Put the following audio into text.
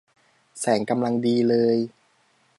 แสงกำลังดีเลย